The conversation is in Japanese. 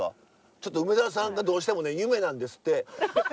ちょっと梅沢さんがどうしてもね夢なんですって。